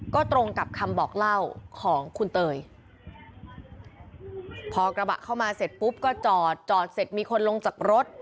ก็ตรงกับคำบอกเล่าของคุณเตยพอกระบะเข้ามาเสร็จปุ๊บก็จอดจอดเสร็จมีคนลงจากรถ